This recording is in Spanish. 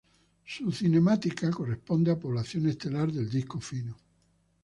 Su cinemática corresponde a población estelar del disco fino.